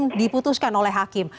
belum diputuskan oleh hakim